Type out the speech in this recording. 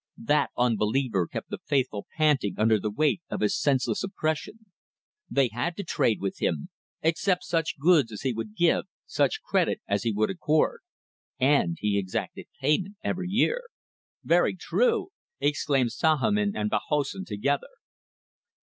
That unbeliever kept the Faithful panting under the weight of his senseless oppression. They had to trade with him accept such goods as he would give such credit as he would accord. And he exacted payment every year ... "Very true!" exclaimed Sahamin and Bahassoen together.